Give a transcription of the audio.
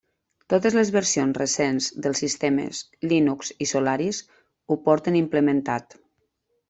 Totes les versions recents dels sistemes Linux i Solaris ho porten implementat.